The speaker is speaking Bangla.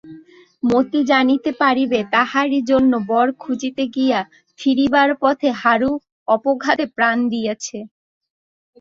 মতি জানিতে পরিবে তাহারই জন্য বর খুঁজিতে গিয়া ফিরিবার পথে হারু অপঘাতে প্রাণ দিয়াছে।